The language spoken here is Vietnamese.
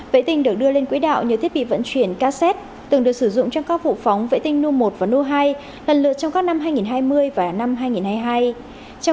vệ tinh được đưa lên quỹ đạo như thiết bị vận chuyển cassette từng được sử dụng trong các vụ phóng vệ tinh nu một và nu hai lần lượt trong các năm hai nghìn hai mươi và năm hai nghìn hai mươi hai